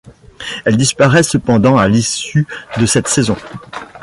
Elle disparait cependant à l'issue de cette saison.